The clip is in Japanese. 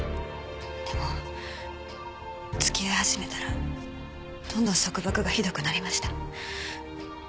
でも付き合い始めたらどんどん束縛がひどくなりました。